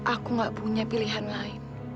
aku gak punya pilihan lain